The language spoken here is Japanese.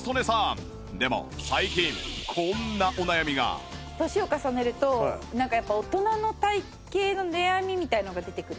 でも最近こんなお悩みが年を重ねるとなんかやっぱ大人の体形の悩みみたいなのが出てくる。